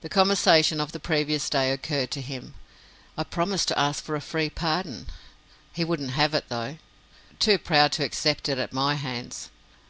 The conversation of the previous day occurred to him. "I promised to ask for a free pardon. He wouldn't have it, though. Too proud to accept it at my hands!